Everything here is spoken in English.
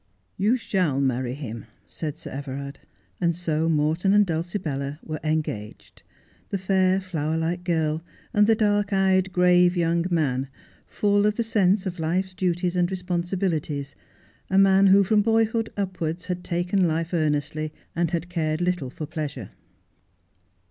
' You shall marry him,' said Sir Everard ; so Morton and Dulcibella were engaged ; the fair, flower like girl, and the dark eyed, grave young man, full of the sense of life's duties and responsibilities ; a man who from boyhood upwards had taken life earnestly, and had cared little for pleasure.